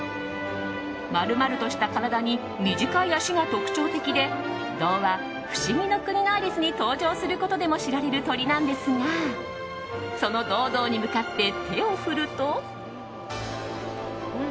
丸々とした体に短い脚が特徴的で童話「不思議の国のアリス」に登場することでも知られる鳥なんですがそのドードーに向かって手を振ると。